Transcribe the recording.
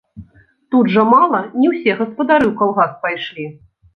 Тут жа мала не ўсе гаспадары ў калгас пайшлі.